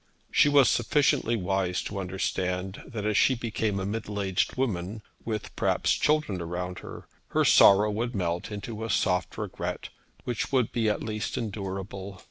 She was sufficiently wise to understand that as she became a middle aged woman, with perhaps children around her, her sorrow would melt into a soft regret which would be at least endurable.